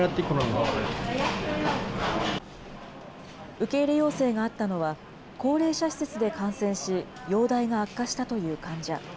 受け入れ要請があったのは、高齢者施設で感染し、容体が悪化したという患者。